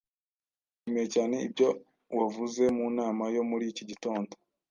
Nishimiye cyane ibyo wavuze mu nama yo muri iki gitondo.